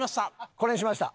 これにしました。